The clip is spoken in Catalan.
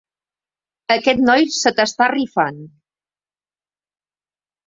Aquest noi se t'està rifant.